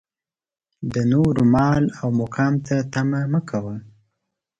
د نورو مال او مقام ته طمعه مه کوه.